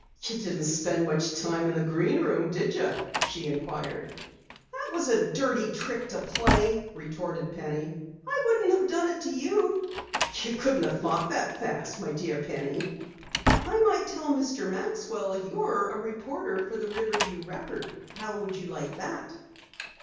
"You didn't spend much time in the Green Room, did you?" she inquired. "That was a dirty trick to play!" retorted Penny. "I wouldn't have done it to you." "You couldn't have thought that fast, my dear Penny." "I might tell Mr. Maxwell you're a reporter for the Riverview Record. How would you like that?"